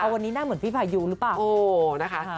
เอาวันนี้หน้าเหมือนพี่พายูหรือเปล่า